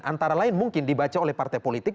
antara lain mungkin dibaca oleh partai politik